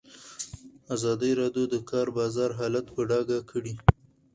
ازادي راډیو د د کار بازار حالت په ډاګه کړی.